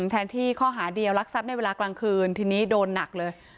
แทนที่ข้อหาเดียวรักทรัพย์ในเวลากลางคืนทีนี้โดนหนักเลย